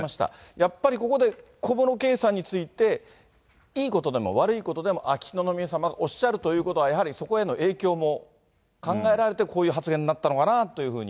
やっぱりここで小室圭さんについて、いいことでも悪いことでも秋篠宮さまがおっしゃるということは、やはりそこへの影響も考えられて、こういう発言になったのかなというふうに。